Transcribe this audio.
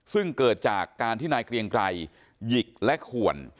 ซึ่งเกิดจากการที่นายเกรียงไกรหยิกและขวน